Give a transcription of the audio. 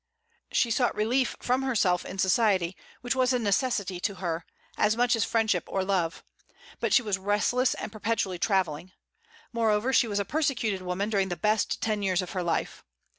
She sought relief from herself in society, which was a necessity to her, as much as friendship or love; but she was restless, and perpetually travelling. Moreover, she was a persecuted woman during the best ten years of her life.